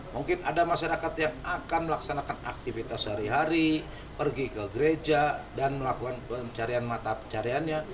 mungkin ada masyarakat yang akan melaksanakan aktivitas sehari hari pergi ke gereja dan melakukan pencarian mata pencariannya